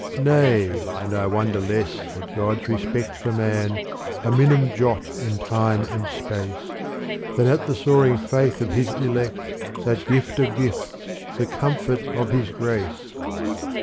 Nay and I wonder less at God's respect For man, a minim jot in time and space, Than at the soaring faith of His elect, That gift of gifts, the comfort of His grace.